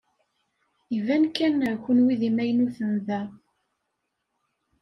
Iban kan kenwi d imaynuten da.